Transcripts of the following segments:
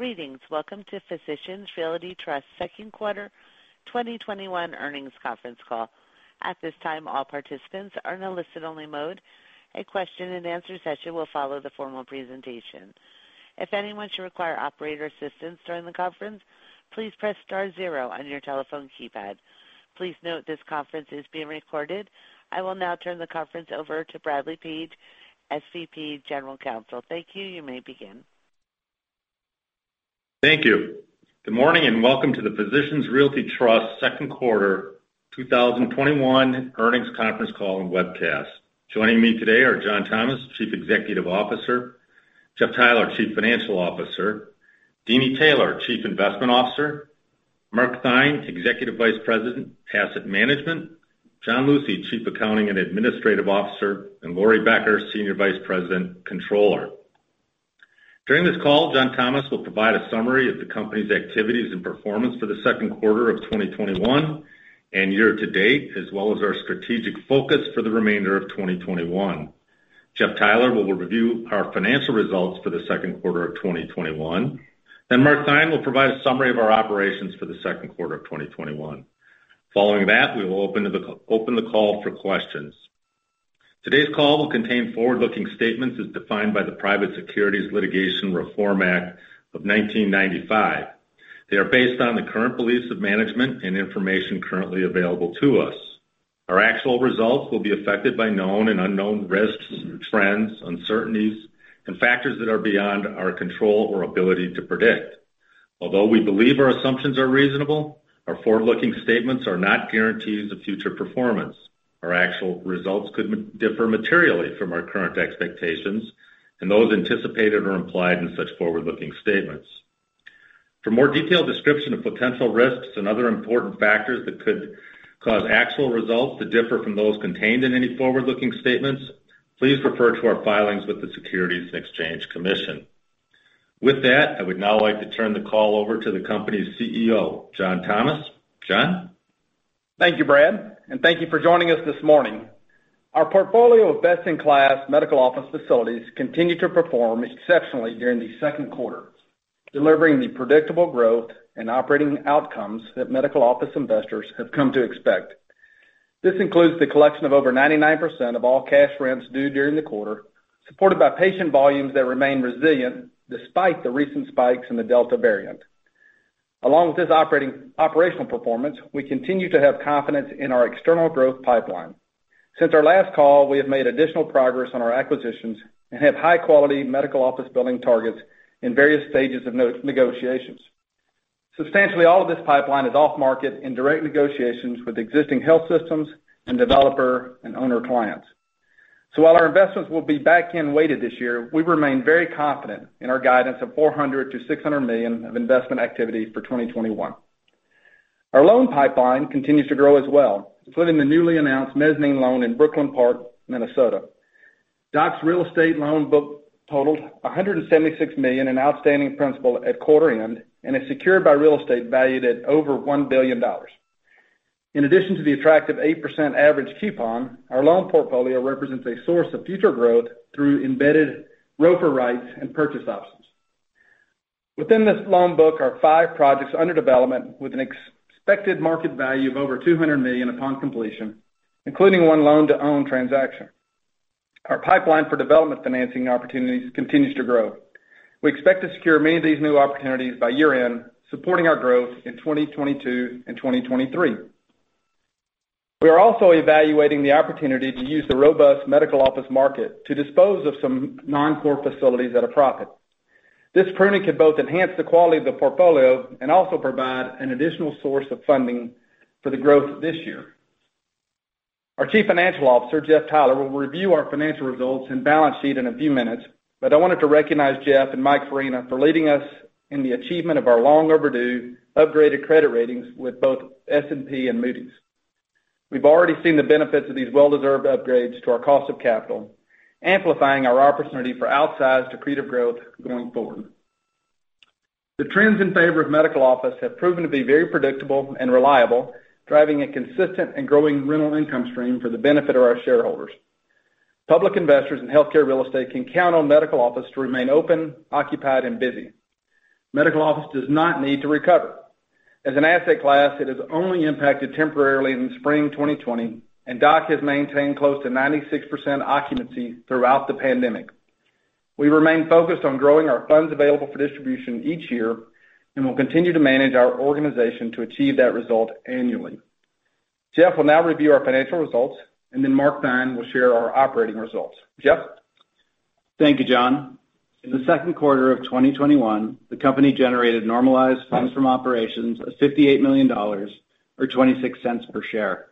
Greetings. Welcome to Physicians Realty Trust second quarter 2021 earnings conference call. At this time, all participants are in a listen-only mode. A question-and-answer session will follow the formal presentation. If anyone should require operator assistance during the conference, please press star zero on your telephone keypad. Please note this conference is being recorded. I will now turn the conference over to Bradley Page, SVP, General Counsel. Thank you. You may begin. Thank you. Good morning, and welcome to the Physicians Realty Trust second quarter 2021 earnings conference call and webcast. Joining me today are John Thomas, Chief Executive Officer, Jeff Theiler, Chief Financial Officer, Deeni Taylor, Chief Investment Officer, Mark Theine, Executive Vice President, Asset Management, John Lucey, Chief Accounting and Administrative Officer, and Laurie Becker, Senior Vice President, Controller. During this call, John Thomas will provide a summary of the company's activities and performance for the second quarter of 2021 and year to date, as well as our strategic focus for the remainder of 2021. Jeff Theiler will review our financial results for the second quarter of 2021. Mark Theine will provide a summary of our operations for the second quarter of 2021. Following that, we will open the call for questions. Today's call will contain forward-looking statements as defined by the Private Securities Litigation Reform Act of 1995. They are based on the current beliefs of management and information currently available to us. Our actual results will be affected by known and unknown risks, trends, uncertainties, and factors that are beyond our control or ability to predict. Although we believe our assumptions are reasonable, our forward-looking statements are not guarantees of future performance. Our actual results could differ materially from our current expectations and those anticipated or implied in such forward-looking statements. For more detailed description of potential risks and other important factors that could cause actual results to differ from those contained in any forward-looking statements, please refer to our filings with the Securities and Exchange Commission. With that, I would now like to turn the call over to the company's CEO, John Thomas. John? Thank you, Brad, and thank you for joining us this morning. Our portfolio of best-in-class medical office facilities continued to perform exceptionally during the second quarter, delivering the predictable growth and operating outcomes that medical office investors have come to expect. This includes the collection of over 99% of all cash rents due during the quarter, supported by patient volumes that remain resilient despite the recent spikes in the Delta variant. Along with this operational performance, we continue to have confidence in our external growth pipeline. Since our last call, we have made additional progress on our acquisitions and have high-quality medical office building targets in various stages of negotiations. Substantially all of this pipeline is off market in direct negotiations with existing health systems and developer and owner clients. While our investments will be back-end weighted this year, we remain very confident in our guidance of $400 million-$600 million of investment activity for 2021. Our loan pipeline continues to grow as well, including the newly announced mezzanine loan in Brooklyn Park, Minnesota. DOC's real estate loan book totaled $176 million in outstanding principal at quarter end and is secured by real estate valued at over $1 billion. In addition to the attractive 8% average coupon, our loan portfolio represents a source of future growth through embedded ROFR rights and purchase options. Within this loan book are five projects under development with an expected market value of over $200 million upon completion, including one loan-to-own transaction. Our pipeline for development financing opportunities continues to grow. We expect to secure many of these new opportunities by year-end, supporting our growth in 2022 and 2023. We are also evaluating the opportunity to use the robust medical office market to dispose of some non-core facilities at a profit. This pruning could both enhance the quality of the portfolio and also provide an additional source of funding for the growth this year. Our Chief Financial Officer, Jeff Theiler, will review our financial results and balance sheet in a few minutes, but I wanted to recognize Jeff and Mike Farina for leading us in the achievement of our long overdue upgraded credit ratings with both S&P and Moody's. We've already seen the benefits of these well-deserved upgrades to our cost of capital, amplifying our opportunity for outsized accretive growth going forward. The trends in favor of medical office have proven to be very predictable and reliable, driving a consistent and growing rental income stream for the benefit of our shareholders. Public investors in healthcare real estate can count on medical office to remain open, occupied, and busy. Medical office does not need to recover. As an asset class, it is only impacted temporarily in spring 2020, and DOC has maintained close to 96% occupancy throughout the pandemic. We remain focused on growing our funds available for distribution each year and will continue to manage our organization to achieve that result annually. Jeff will now review our financial results, and then Mark Theine will share our operating results. Jeff? Thank you, John. In the second quarter of 2021, the company generated normalized funds from operations of $58 million, or $0.26 per share.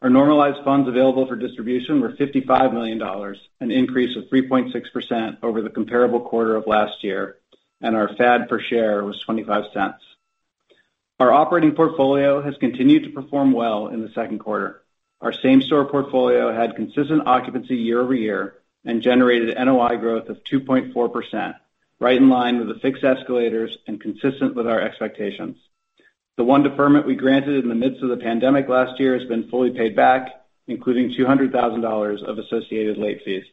Our funds available for distribution were $55 million, an increase of 3.6% over the comparable quarter of last year, and our FAD per share was $0.25. Our operating portfolio has continued to perform well in the second quarter. Our same store portfolio had consistent occupancy year-over-year and generated NOI growth of 2.4%, right in line with the fixed escalators and consistent with our expectations. The one deferment we granted in the midst of the pandemic last year has been fully paid back, including $200,000 of associated late fees.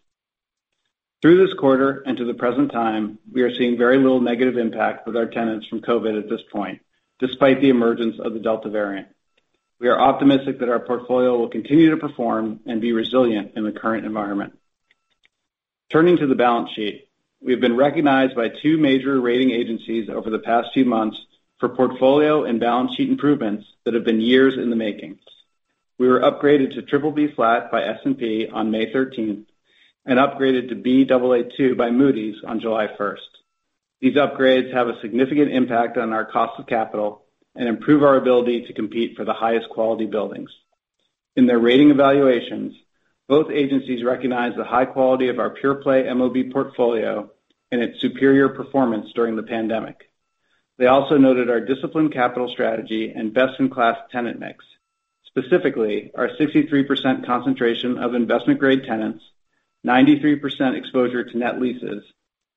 Through this quarter and to the present time, we are seeing very little negative impact with our tenants from COVID at this point, despite the emergence of the Delta variant. We are optimistic that our portfolio will continue to perform and be resilient in the current environment. Turning to the balance sheet, we have been recognized by two major rating agencies over the past few months for portfolio and balance sheet improvements that have been years in the making. We were upgraded to BBB flat by S&P on May 13th and upgraded to Baa2 by Moody's on July 1st. These upgrades have a significant impact on our cost of capital and improve our ability to compete for the highest quality buildings. In their rating evaluations, both agencies recognized the high quality of our pure-play MOB portfolio and its superior performance during the pandemic. They also noted our disciplined capital strategy and best-in-class tenant mix, specifically our 63% concentration of investment-grade tenants, 93% exposure to net leases,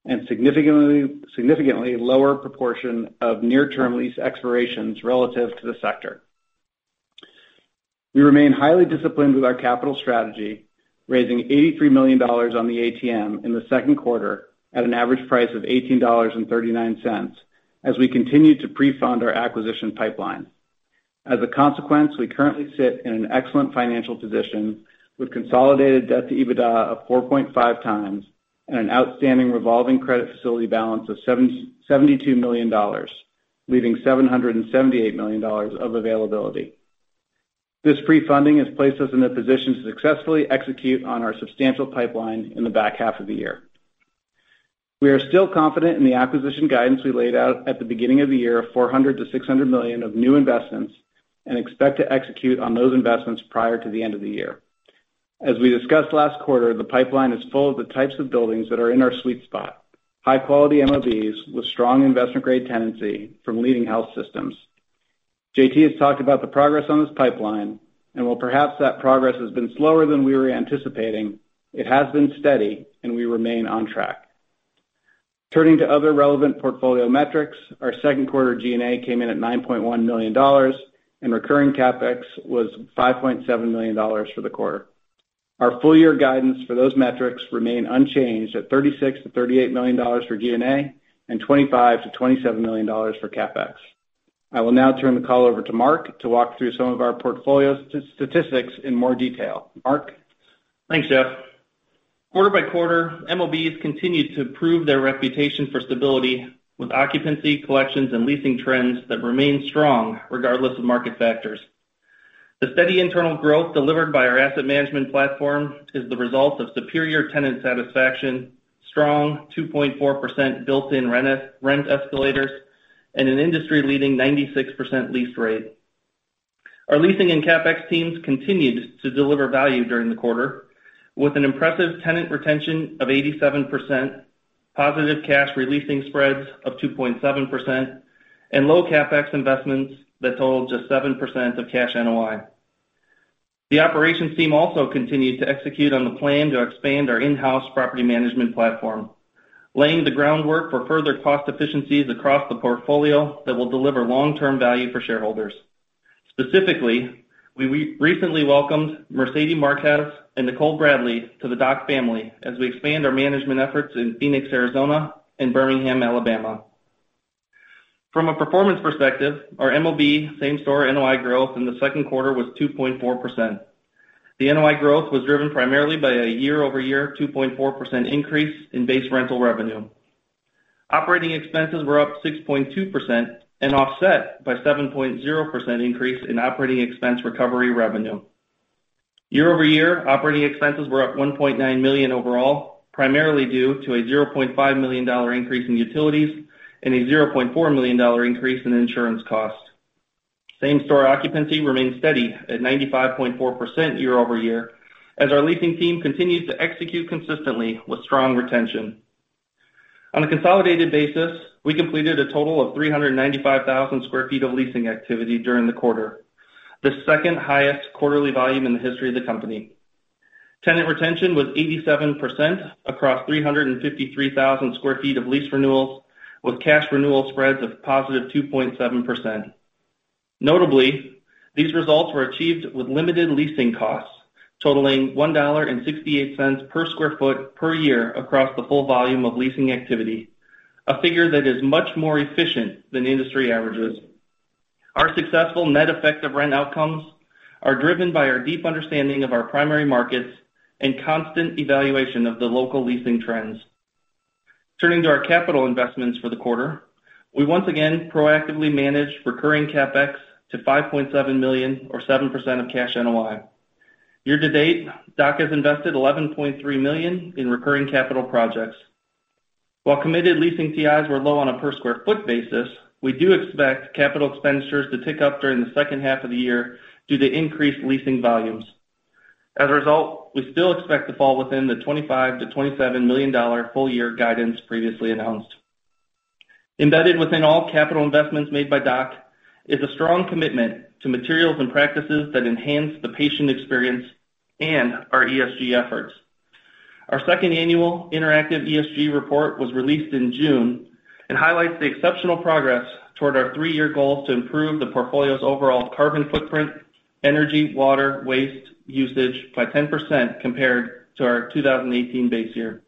and significantly lower proportion of near-term lease expirations relative to the sector. We remain highly disciplined with our capital strategy, raising $83 million on the ATM in the second quarter at an average price of $18.39 as we continue to pre-fund our acquisition pipeline. As a consequence, we currently sit in an excellent financial position with consolidated debt to EBITDA of 4.5x and an outstanding revolving credit facility balance of $72 million, leaving $778 million of availability. This pre-funding has placed us in a position to successfully execute on our substantial pipeline in the back half of the year. We are still confident in the acquisition guidance we laid out at the beginning of the year of $400 million-$600 million of new investments and expect to execute on those investments prior to the end of the year. As we discussed last quarter, the pipeline is full of the types of buildings that are in our sweet spot, high-quality MOBs with strong investment-grade tenancy from leading health systems. JT has talked about the progress on this pipeline, and while perhaps that progress has been slower than we were anticipating, it has been steady, and we remain on track. Turning to other relevant portfolio metrics, our second quarter G&A came in at $9.1 million, and recurring CapEx was $5.7 million for the quarter. Our full-year guidance for those metrics remain unchanged at $36 million-$38 million for G&A and $25 million-$27 million for CapEx. I will now turn the call over to Mark to walk through some of our portfolio statistics in more detail. Mark? Thanks, Jeff. Quarter-by-quarter, MOBs continue to prove their reputation for stability with occupancy, collections, and leasing trends that remain strong regardless of market factors. The steady internal growth delivered by our asset management platform is the result of superior tenant satisfaction, strong 2.4% built-in rent escalators, and an industry-leading 96% lease rate. Our leasing and CapEx teams continued to deliver value during the quarter with an impressive tenant retention of 87%, positive cash re-leasing spreads of 2.7%, and low CapEx investments that total just 7% of cash NOI. The operations team also continued to execute on the plan to expand our in-house property management platform, laying the groundwork for further cost efficiencies across the portfolio that will deliver long-term value for shareholders. Specifically, we recently welcomed Mercedes Marquez and Nicole Bradley to the DOC family as we expand our management efforts in Phoenix, Arizona, and Birmingham, Alabama. From a performance perspective, our MOB same-store NOI growth in the second quarter was 2.4%. The NOI growth was driven primarily by a year-over-year 2.4% increase in base rental revenue. Operating expenses were up 6.2% and offset by 7.0% increase in operating expense recovery revenue. Year-over-year, operating expenses were up $1.9 million overall, primarily due to a $0.5 million increase in utilities and a $0.4 million increase in insurance costs. Same-store occupancy remained steady at 95.4% year-over-year as our leasing team continues to execute consistently with strong retention. On a consolidated basis, we completed a total of 395,000 sq ft of leasing activity during the quarter, the second highest quarterly volume in the history of the company. Tenant retention was 87% across 353,000 sq ft of lease renewals, with cash renewal spreads of +2.7%. Notably, these results were achieved with limited leasing costs totaling $1.68/sq ft per year across the full volume of leasing activity, a figure that is much more efficient than industry averages. Our successful net effective rent outcomes are driven by our deep understanding of our primary markets and constant evaluation of the local leasing trends. Turning to our capital investments for the quarter, we once again proactively managed recurring CapEx to $5.7 million or 7% of cash NOI. Year to date, DOC has invested $11.3 million in recurring capital projects. While committed leasing TIs were low on a per square foot basis, we do expect capital expenditures to tick up during the second half of the year due to increased leasing volumes. As a result, we still expect to fall within the $25 million-$27 million full-year guidance previously announced. Embedded within all capital investments made by DOC is a strong commitment to materials and practices that enhance the patient experience and our ESG efforts. Our second annual interactive ESG report was released in June and highlights the exceptional progress toward our three-year goal to improve the portfolio's overall carbon footprint, energy, water, waste usage by 10% compared to our 2018 base year.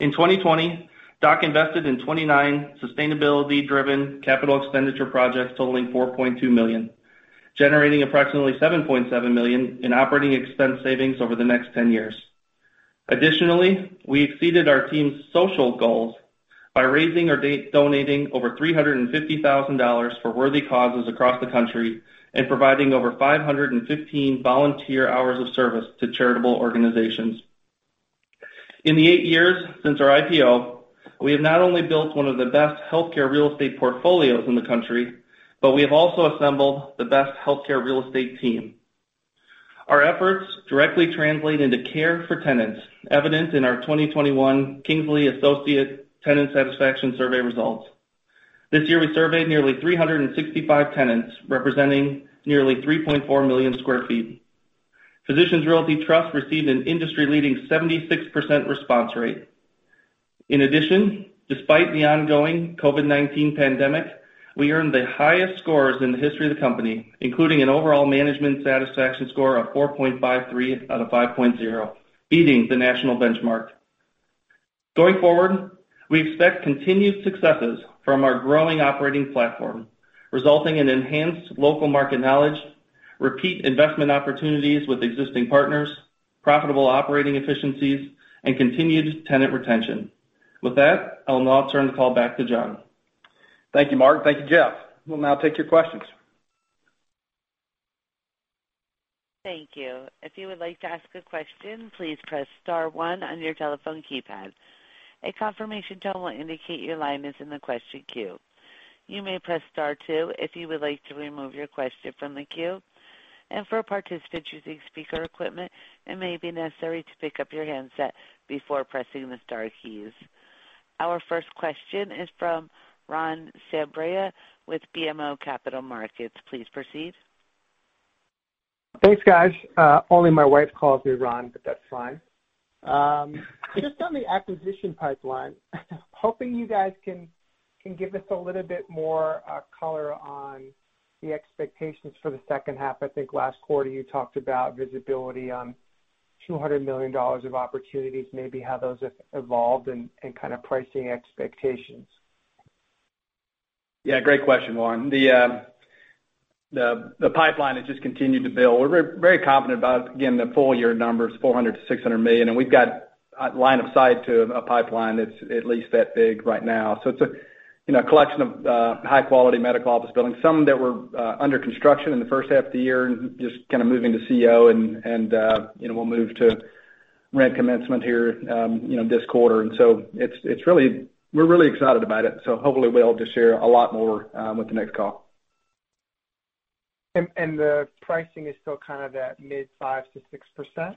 In 2020, DOC invested in 29 sustainability-driven capital expenditure projects totaling $4.2 million, generating approximately $7.7 million in operating expense savings over the next 10 years. Additionally, we exceeded our team's social goals by raising or donating over $350,000 for worthy causes across the country and providing over 515 volunteer hours of service to charitable organizations. In the eight years since our IPO, we have not only built one of the best healthcare real estate portfolios in the country, but we have also assembled the best healthcare real estate team. Our efforts directly translate into care for tenants, evident in our 2021 Kingsley Associates Tenant Satisfaction Survey results. This year, we surveyed nearly 365 tenants, representing nearly 3,400,000 sq ft. Physicians Realty Trust received an industry-leading 76% response rate. In addition, despite the ongoing COVID-19 pandemic, we earned the highest scores in the history of the company, including an overall management satisfaction score of 4.53 out of 5.0, beating the national benchmark. Going forward, we expect continued successes from our growing operating platform, resulting in enhanced local market knowledge, repeat investment opportunities with existing partners, profitable operating efficiencies, and continued tenant retention. With that, I'll now turn the call back to John. Thank you, Mark. Thank you, Jeff. We'll now take your questions. Thank you. If you would like to ask a question, please press star one on your telephone keypad. A confirmation tone will indicate your line is in the question queue. You may press star two if you would like to remove your question from the queue. For participants using speaker equipment, it may be necessary to pick up your handset before pressing the star keys. Our first question is from Juan Sanabria with BMO Capital Markets. Please proceed. Thanks, guys. Only my wife calls me Juan, but that's fine. Just on the acquisition pipeline, hoping you guys can give us a little bit more color on the expectations for the second half. I think last quarter you talked about visibility on $200 million of opportunities, maybe how those have evolved and kind of pricing expectations. Yeah, great question, Juan. The pipeline has just continued to build. We're very confident about, again, the full-year numbers, $400 million-$600 million, and we've got a line of sight to a pipeline that's at least that big right now. It's a collection of high-quality medical office buildings, some that were under construction in the first half of the year and just kind of moving to CO, and we'll move to rent commencement here this quarter. We're really excited about it. Hopefully we'll be able to share a lot more with the next call. The pricing is still kind of that mid 5%-6%?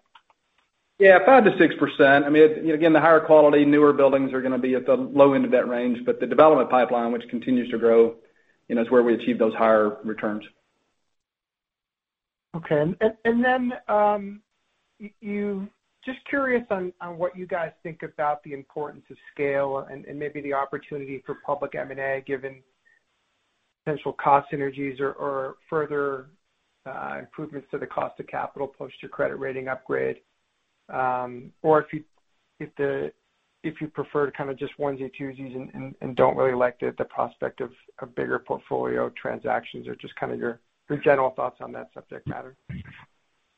Yeah, 5%-6%. Again, the higher quality, newer buildings are going to be at the low end of that range. The development pipeline, which continues to grow, is where we achieve those higher returns. Okay. Just curious on what you guys think about the importance of scale and maybe the opportunity for public M&A given potential cost synergies or further improvements to the cost of capital post your credit rating upgrade. If you prefer to kind of just onesies, twosies, and don't really like the prospect of bigger portfolio transactions, or just kind of your general thoughts on that subject matter.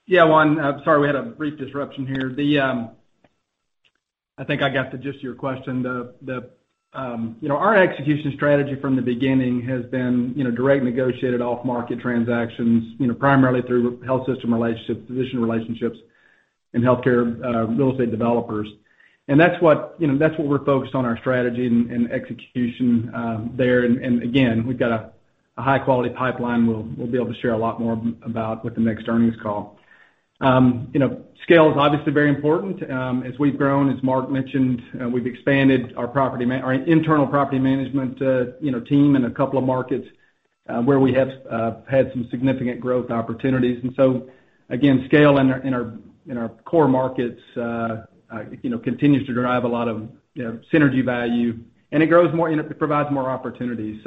Yeah, Ron, sorry, we had a brief disruption here. I think I got the gist of your question. Our execution strategy from the beginning has been direct negotiated off-market transactions, primarily through health system relationships, physician relationships, and healthcare real estate developers. That's what we're focused on our strategy and execution there. Again, we've got a high-quality pipeline we'll be able to share a lot more about with the next earnings call. Scale is obviously very important. As we've grown, as Mark mentioned, we've expanded our internal property management team in a couple of markets, where we have had some significant growth opportunities. Again, scale in our core markets continues to drive a lot of synergy value, and it provides more opportunities.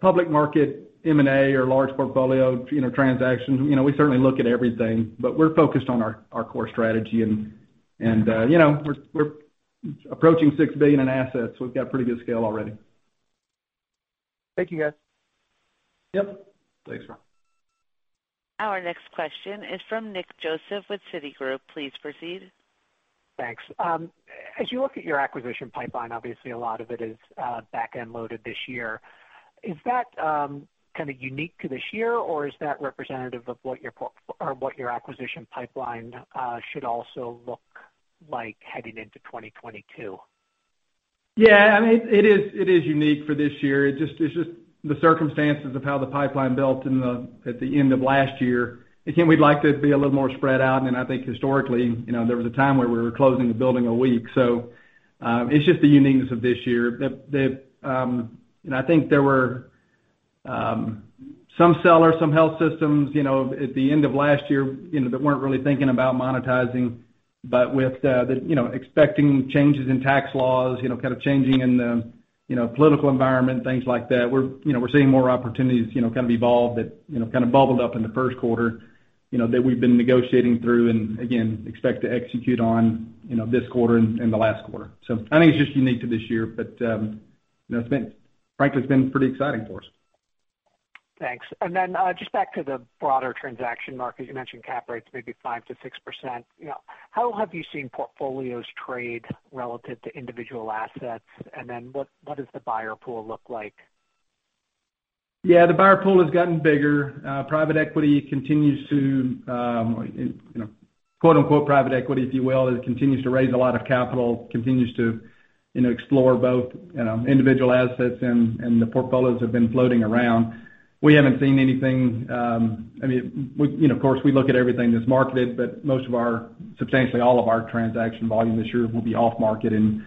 Public market M&A or large portfolio transactions, we certainly look at everything, but we're focused on our core strategy, and we're approaching $6 billion in assets, so we've got pretty good scale already. Thank you, guys. Yep. Thanks, Juan. Our next question is from Nick Joseph with Citigroup. Please proceed. Thanks. As you look at your acquisition pipeline, obviously a lot of it is back-end loaded this year. Is that kind of unique to this year, or is that representative of what your acquisition pipeline should also look like heading into 2022? Yeah. It is unique for this year. It's just the circumstances of how the pipeline built at the end of last year. Again, we'd like to be a little more spread out, and I think historically, there was a time where we were closing a building a week. It's just the uniqueness of this year. I think there were some sellers, some health systems, at the end of last year, that weren't really thinking about monetizing. With expecting changes in tax laws, kind of changing in the political environment, things like that, we're seeing more opportunities kind of evolve that kind of bubbled up in the first quarter, that we've been negotiating through. Again, expect to execute on this quarter and the last quarter. I think it's just unique to this year, but frankly, it's been pretty exciting for us. Thanks. Then just back to the broader transaction market, you mentioned cap rates maybe 5%-6%. How have you seen portfolios trade relative to individual assets, and then what does the buyer pool look like? Yeah, the buyer pool has gotten bigger. Private equity continues to quote, unquote, private equity, if you will, it continues to raise a lot of capital, continues to explore both individual assets and the portfolios have been floating around. We haven't seen anything. Of course, we look at everything that's marketed, substantially all of our transaction volume this year will be off market and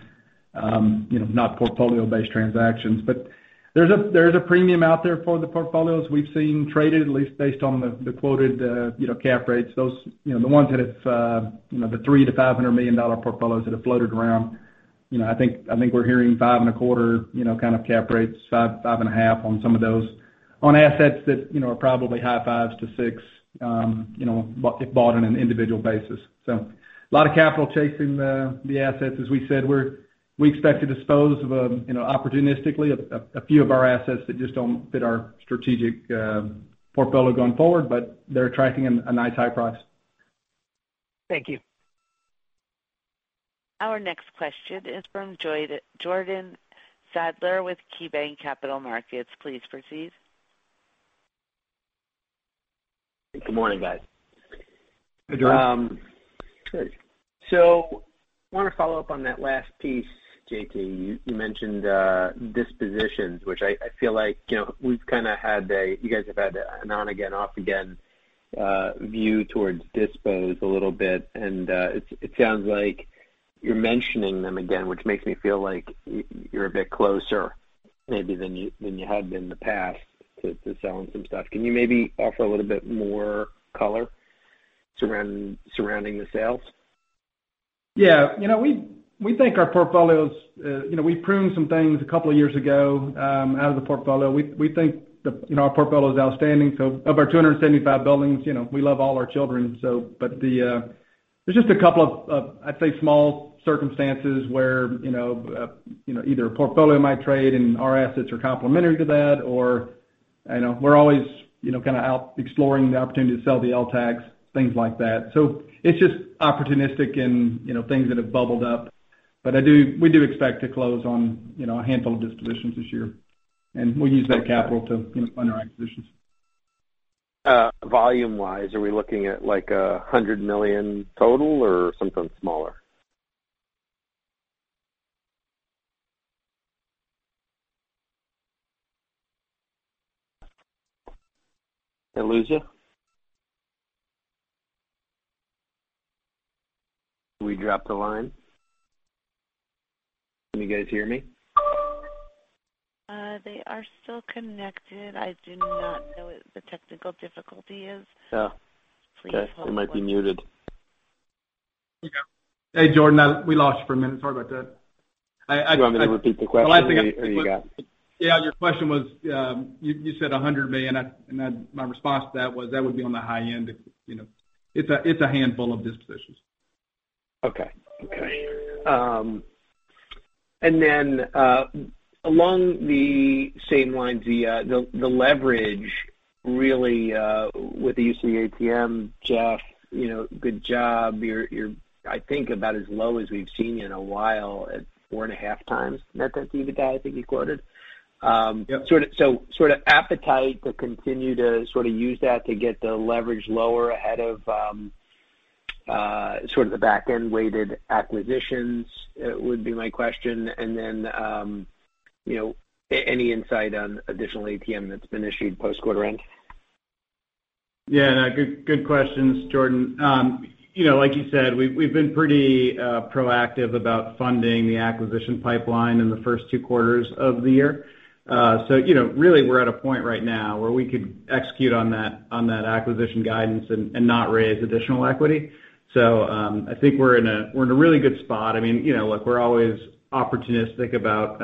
not portfolio-based transactions. There is a premium out there for the portfolios we've seen traded, at least based on the quoted cap rates. The ones that it's the $300 million-$500 million portfolios that have floated around. I think we're hearing 5.25, kind of cap rates, 5.5 on some of those. On assets that are probably high 5s to six, if bought on an individual basis. A lot of capital chasing the assets. As we said, we expect to dispose of, opportunistically, a few of our assets that just don't fit our strategic portfolio going forward, but they're attracting a nice high price. Thank you. Our next question is from Jordan Sadler with KeyBanc Capital Markets. Please proceed. Good morning, guys. Good, Jordan. I want to follow up on that last piece, JT. You mentioned dispositions, which I feel like you guys have had an on-again, off-again view towards dispos a little bit. It sounds like you're mentioning them again, which makes me feel like you're a bit closer maybe than you had been in the past to selling some stuff. Can you maybe offer a little bit more color surrounding the sales? We think our portfolios, we pruned some things a couple of years ago out of the portfolio. We think our portfolio is outstanding. Of our 275 buildings, we love all our children. There's just a couple of, I'd say, small circumstances where either a portfolio might trade and our assets are complementary to that, or we're always kind of out exploring the opportunity to sell the LTACs, things like that. We do expect to close on a handful of dispositions this year, and we'll use that capital to fund our acquisitions. Volume-wise, are we looking at like $100 million total or something smaller? Did I lose you? Did we drop the line? Can you guys hear me? They are still connected. I do not know what the technical difficulty is. Yeah. Please hold the line. Okay. He might be muted. Hey, Jordan, we lost you for a minute. Sorry about that. Do you want me to repeat the question, or you got it? Yeah, your question was, you said $100 million. My response to that was, that would be on the high end. It's a handful of dispositions. Okay. Along the same lines, the leverage really, with the use of the ATM, Jeff, good job. You're, I think, about as low as we've seen you in a while at 4.5x net-to-EBITDA, I think you quoted. Yep. Sort of appetite to continue to sort of use that to get the leverage lower ahead of sort of the back-end-weighted acquisitions would be my question? Any insight on additional ATM that's been issued post-quarter end? Good questions, Jordan. Like you said, we've been pretty proactive about funding the acquisition pipeline in the first two quarters of the year. Really, we're at a point right now where we could execute on that acquisition guidance and not raise additional equity. I think we're in a really good spot. Look, we're always opportunistic about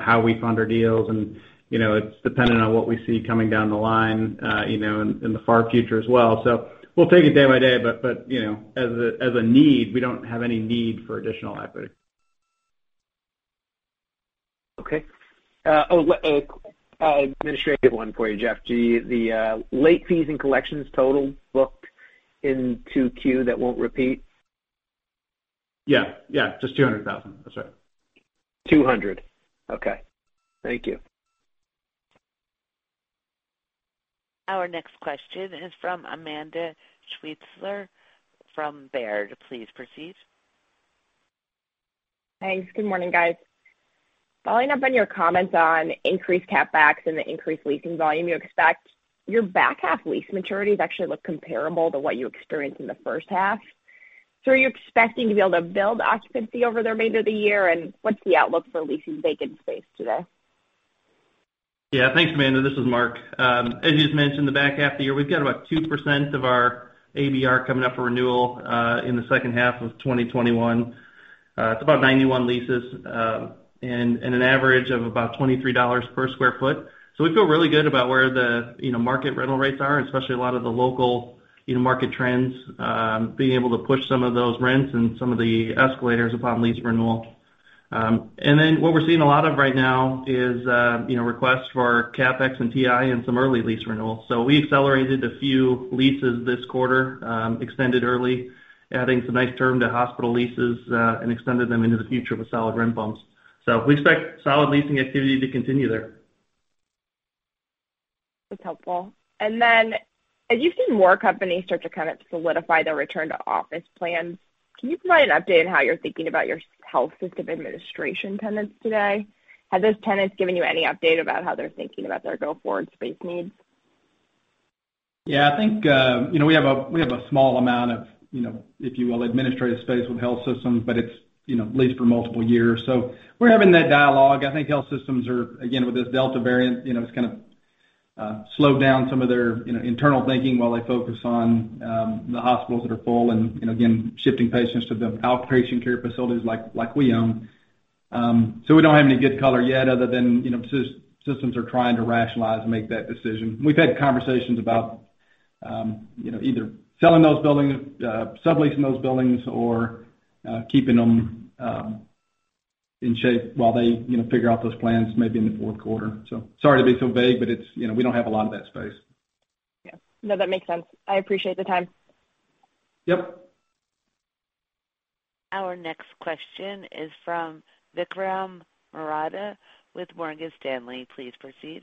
how we fund our deals, and it's dependent on what we see coming down the line in the far future as well. We'll take it day by day, but as a need, we don't have any need for additional equity. Okay. A quick administrative one for you, Jeff. The late fees and collections total booked in 2Q that won't repeat? Yeah. Just $200,000. That's right. Okay. Thank you. Our next question is from Amanda Sweitzer from Baird. Please proceed. Thanks. Good morning, guys. Following up on your comments on increased CapEx and the increased leasing volume you expect, your back half lease maturities actually look comparable to what you experienced in the first half. Are you expecting to be able to build occupancy over the remainder of the year? What's the outlook for leasing vacant space today? Thanks, Amanda. This is Mark. As you just mentioned, the back half of the year, we've got about 2% of our ABR coming up for renewal, in the second half of 2021. It's about 91 leases, and an average of about $23/sq ft. We feel really good about where the market rental rates are, and especially a lot of the local market trends, being able to push some of those rents and some of the escalators upon lease renewal. What we're seeing a lot of right now is requests for CapEx and TI and some early lease renewals. We accelerated a few leases this quarter, extended early, adding some nice term to hospital leases, and extended them into the future with solid rent bumps. We expect solid leasing activity to continue there. That's helpful. As you've seen more companies start to kind of solidify their return to office plans, can you provide an update on how you're thinking about your health system administration tenants today? Have those tenants given you any update about how they're thinking about their go-forward space needs? I think, we have a small amount of, if you will, administrative space with health systems, but it's leased for multiple years. We're having that dialogue. I think health systems are, again, with this Delta variant, it's kind of slowed down some of their internal thinking while they focus on the hospitals that are full and, again, shifting patients to the outpatient care facilities like we own. We don't have any good color yet other than systems are trying to rationalize and make that decision. We've had conversations about either selling those buildings, subleasing those buildings, or keeping them in shape while they figure out those plans maybe in the fourth quarter. Sorry to be so vague, but we don't have a lot of that space. Yeah. No, that makes sense. I appreciate the time. Yep. Our next question is from Vikram Malhotra with Morgan Stanley. Please proceed.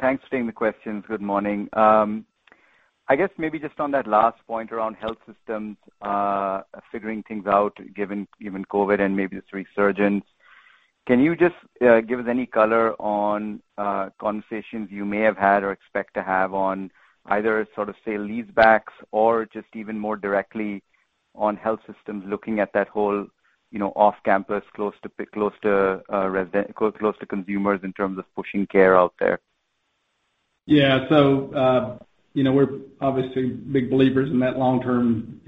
Thanks for taking the questions. Good morning. I guess maybe just on that last point around health systems figuring things out given COVID and maybe this resurgence, can you just give us any color on conversations you may have had or expect to have on either sort of, say, lease backs or just even more directly on health systems looking at that whole off-campus, close to consumers in terms of pushing care out there? Yeah. We're obviously big believers in that long-term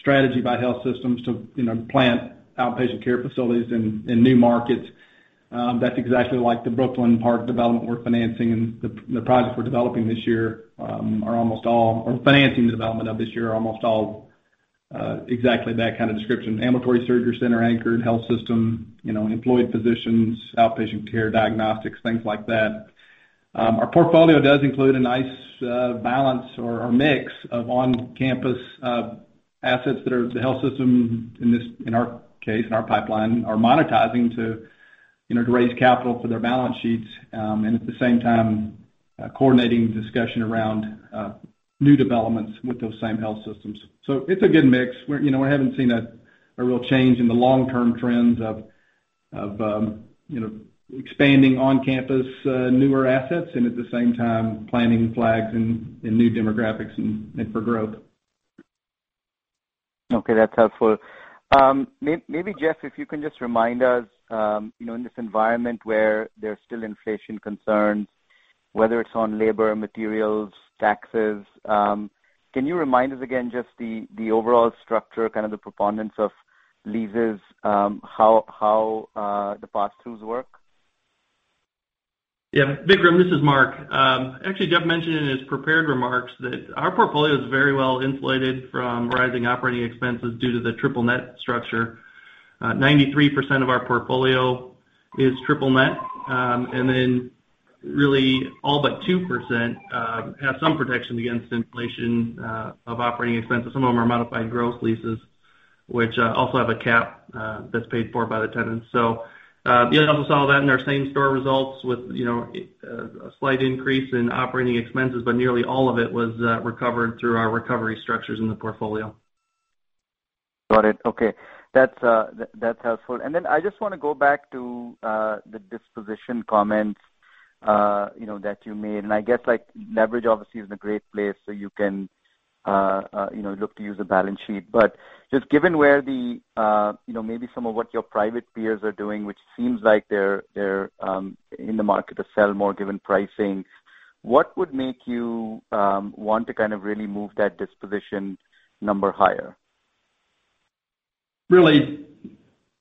strategy by health systems to plant outpatient care facilities in new markets. That's exactly like the Brooklyn Park development we're financing. The projects we're developing this year or financing the development of this year are almost all exactly that kind of description. Ambulatory surgery center anchored health system, employed physicians, outpatient care, diagnostics, things like that. Our portfolio does include a nice balance or mix of on-campus assets that are the health system in our case, in our pipeline, are monetizing to raise capital for their balance sheets. At the same time, coordinating the discussion around new developments with those same health systems. It's a good mix. We haven't seen a real change in the long-term trends of expanding on-campus newer assets and at the same time planting flags in new demographics and for growth. Okay, that's helpful. Maybe Jeff, if you can just remind us, in this environment where there's still inflation concerns, whether it's on labor, materials, taxes, can you remind us again just the overall structure, kind of the preponderance of leases, how the pass-throughs work? Vikram, this is Mark. Jeff mentioned in his prepared remarks that our portfolio is very well insulated from rising operating expenses due to the triple net structure. 93% of our portfolio is triple net. Really all but 2% have some protection against inflation of operating expenses. Some of them are modified gross leases, which also have a cap that's paid for by the tenants. Be able to solve that in our same store results with a slight increase in operating expenses, but nearly all of it was recovered through our recovery structures in the portfolio. Got it. Okay. That's helpful. I just want to go back to the disposition comments that you made. I guess like leverage obviously is in a great place, so you can look to use the balance sheet. Just given where the, maybe some of what your private peers are doing, which seems like they're in the market to sell more given pricing, what would make you want to kind of really move that disposition number higher? Really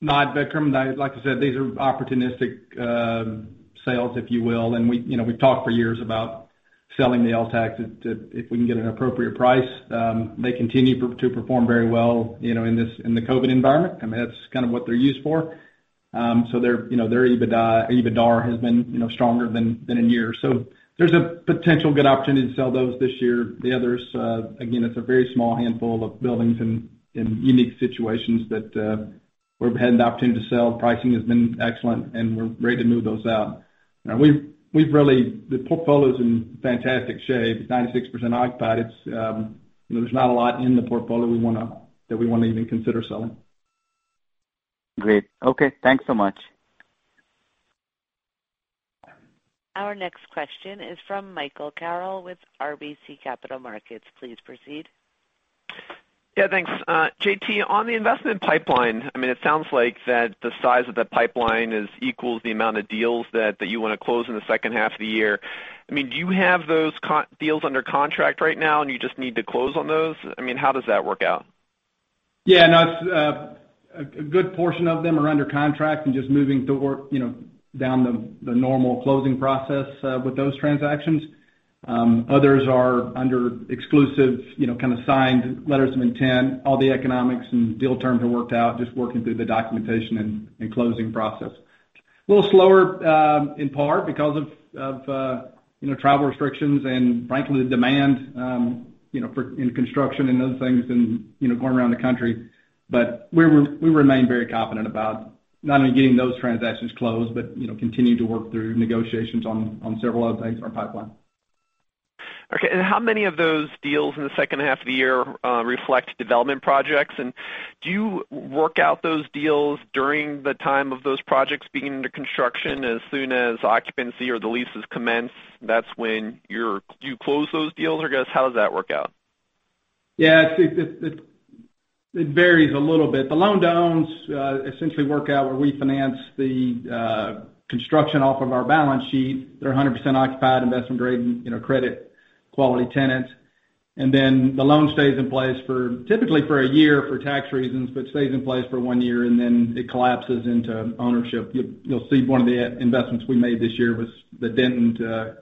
not, Vikram. Like I said, these are opportunistic sales, if you will. We've talked for years about selling the LTACs if we can get an appropriate price. They continue to perform very well in the COVID environment. I mean, that's kind of what they're used for. Their EBITDA has been stronger than in years. There's a potential good opportunity to sell those this year. The others, again, it's a very small handful of buildings in unique situations that we've had the opportunity to sell. Pricing has been excellent, and we're ready to move those out. The portfolio's in fantastic shape. 96% occupied. There's not a lot in the portfolio that we want to even consider selling. Great. Okay. Thanks so much. Our next question is from Michael Carroll with RBC Capital Markets. Please proceed. Yeah, thanks. JT, on the investment pipeline, it sounds like that the size of the pipeline equals the amount of deals that you want to close in the second half of the year. Do you have those deals under contract right now, and you just need to close on those? How does that work out? Yeah. A good portion of them are under contract and just moving down the normal closing process with those transactions. Others are under exclusive, kind of signed letters of intent. All the economics and deal terms are worked out, just working through the documentation and closing process. A little slower, in part, because of travel restrictions and frankly, the demand in construction and other things, and going around the country. We remain very confident about not only getting those transactions closed, but continuing to work through negotiations on several other things in our pipeline. Okay. How many of those deals in the second half of the year reflect development projects? Do you work out those deals during the time of those projects being under construction as soon as occupancy or the leases commence? That's when you close those deals, or I guess, how does that work out? Yeah. It varies a little bit. The loan-to-owns essentially work out where we finance the construction off of our balance sheet. They're 100% occupied, investment-grade, credit quality tenants. The loan stays in place, typically for one year for tax reasons, but stays in place for one year, and then it collapses into ownership. You'll see one of the investments we made this year was the Denton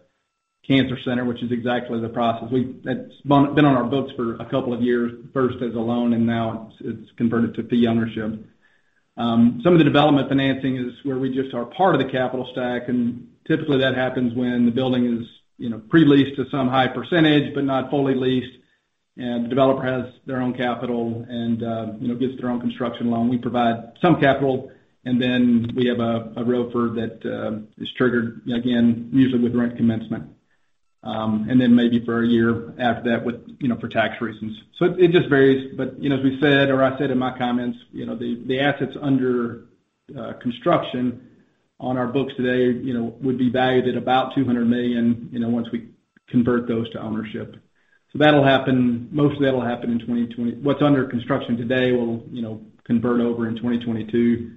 Cancer Center, which is exactly the process. That's been on our books for a couple of years, first as a loan, and now it's converted to fee ownership. Some of the development financing is where we just are part of the capital stack, and typically that happens when the building is pre-leased to some high percentage, but not fully leased, and the developer has their own capital and gets their own construction loan. We provide some capital, and then we have a ROFR that is triggered, again, usually with rent commencement. Maybe for a year after that for tax reasons. It just varies, but as we said, or I said in my comments, the assets under construction on our books today would be valued at about $200 million, once we convert those to ownership. Most of that'll happen in 2020. What's under construction today will convert over in 2022.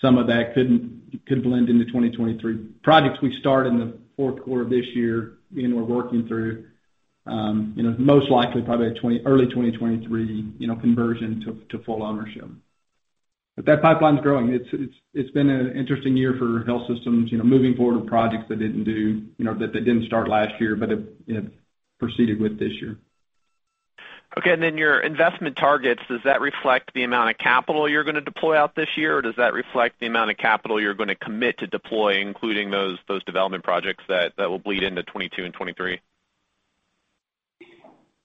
Some of that could blend into 2023. Projects we start in the fourth quarter of this year, we're working through, most likely, probably early 2023, conversion to full ownership. That pipeline's growing. It's been an interesting year for health systems, moving forward with projects that they didn't start last year, but have proceeded with this year. Okay. Your investment targets, does that reflect the amount of capital you're going to deploy out this year, or does that reflect the amount of capital you're going to commit to deploy, including those development projects that will bleed into 2022 and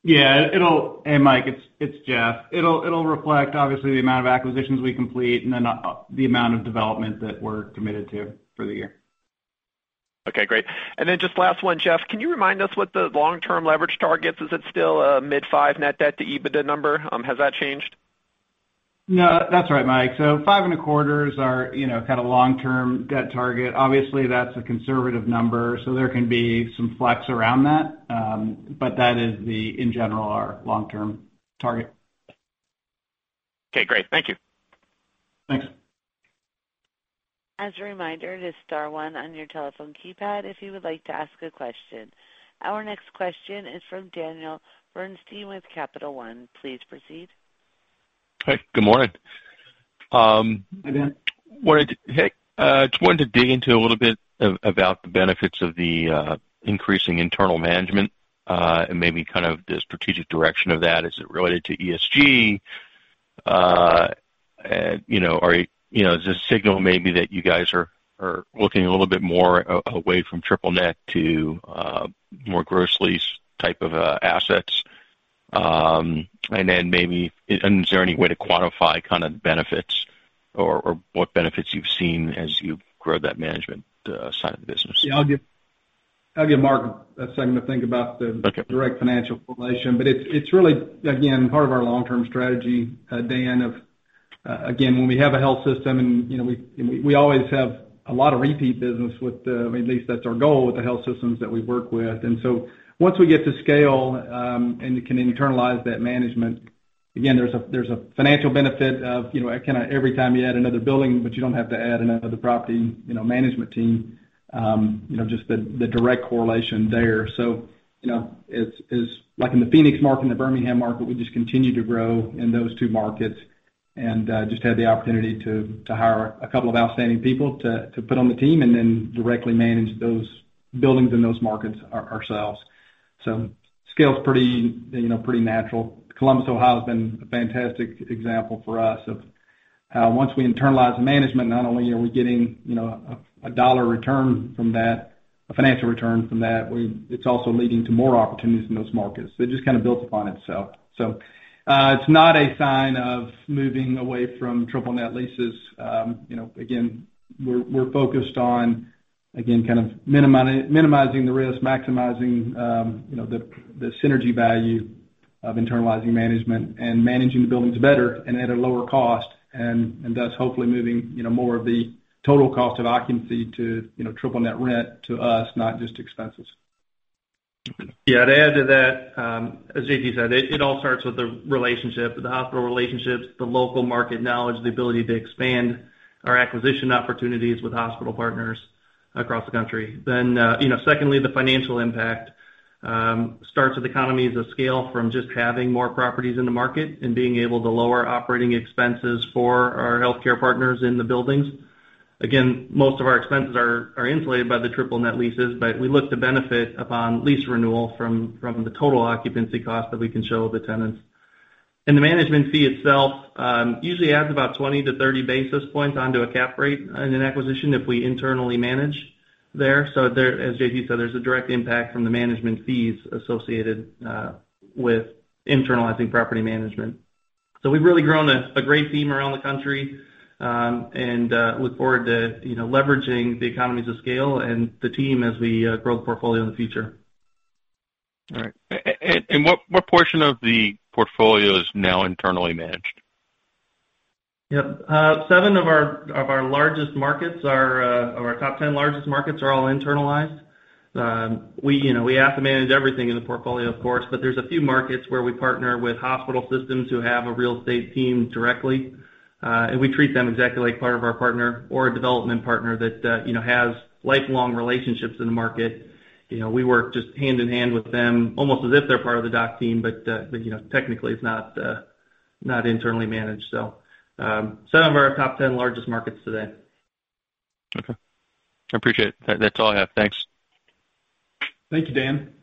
2023? Hey, Michael, it's Jeff. It'll reflect, obviously, the amount of acquisitions we complete and then the amount of development that we're committed to for the year. Okay, great. Just last one, Jeff, can you remind us what the long-term leverage target is? Is it still a mid-five net debt to EBITDA number? Has that changed? No. That's right, Mike. 5.25 is our kind of long-term debt target. Obviously, that's a conservative number, so there can be some flex around that. That is, in general, our long-term target. Okay, great. Thank you. Thanks. As a reminder, it is star one on your telephone keypad if you would like to ask a question. Our next question is from Daniel Bernstein with Capital One. Please proceed. Hi, good morning. Hi, Dan. Just wanted to dig into a little bit about the benefits of the increasing internal management, maybe kind of the strategic direction of that. Is it related to ESG? Is this a signal maybe that you guys are looking a little bit more away from triple-net to more gross lease type of assets? Maybe, is there any way to quantify kind of benefits or what benefits you've seen as you've grown that management side of the business? Yeah. I'll give Mark a second to think about the- Okay direct financial correlation. It's really, again, part of our long-term strategy, Dan. When we have a health system, and we always have a lot of repeat business, at least that's our goal with the health systems that we work with. Once we get to scale, and can internalize that management, again, there's a financial benefit of every time you add another building, but you don't have to add another property management team, just the direct correlation there. Like in the Phoenix market and the Birmingham market, we just continue to grow in those two markets, and just had the opportunity to hire a couple of outstanding people to put on the team and then directly manage those buildings in those markets ourselves. Scale's pretty natural. Columbus, Ohio, has been a fantastic example for us of how once we internalize the management, not only are we getting a dollar return from that, a financial return from that, it's also leading to more opportunities in those markets. It just kind of builds upon itself. It's not a sign of moving away from triple-net leases. Again, we're focused on minimizing the risk, maximizing the synergy value of internalizing management and managing the buildings better and at a lower cost, and thus hopefully moving more of the total cost of occupancy to triple-net rent to us, not just expenses. Yeah. To add to that, as JT said, it all starts with the relationship, the hospital relationships, the local market knowledge, the ability to expand our acquisition opportunities with hospital partners across the country. Secondly, the financial impact starts with economies of scale from just having more properties in the market and being able to lower operating expenses for our healthcare partners in the buildings. Again, most of our expenses are insulated by the triple net leases, but we look to benefit upon lease renewal from the total occupancy cost that we can show the tenants. The management fee itself usually adds about 20-30 basis points onto a cap rate in an acquisition if we internally manage there. As JT said, there's a direct impact from the management fees associated with internalizing property management. We've really grown a great team around the country, and look forward to leveraging the economies of scale and the team as we grow the portfolio in the future. All right. What portion of the portfolio is now internally managed? Yeah. Seven of our top 10 largest markets are all internalized. We have to manage everything in the portfolio, of course, but there's a few markets where we partner with hospital systems who have a real estate team directly, and we treat them exactly like part of our partner or a development partner that has lifelong relationships in the market. We work just hand in hand with them almost as if they're part of the DOC team, but technically it's not internally managed. Seven of our top 10 largest markets today. Okay. I appreciate it. That's all I have. Thanks. Thank you, Dan.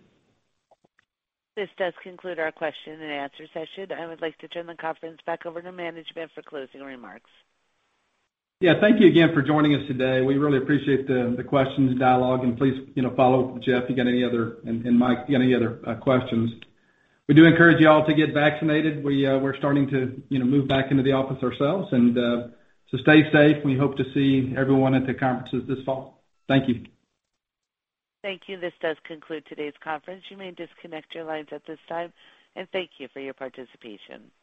This does conclude our question-and-answer session. I would like to turn the conference back over to management for closing remarks. Thank you again for joining us today. We really appreciate the questions and dialogue. Please follow up with Jeff and Mike, you got any other questions. We do encourage you all to get vaccinated. We're starting to move back into the office ourselves. Stay safe. We hope to see everyone at the conferences this fall. Thank you. Thank you. This does conclude today's conference. You may disconnect your lines at this time, and thank you for your participation.